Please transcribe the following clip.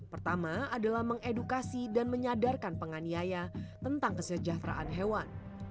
pertama adalah mengedukasi dan menyadarkan penganiaya tentang kesejahteraan hewan